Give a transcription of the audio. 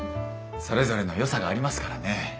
それぞれのよさがありますからね。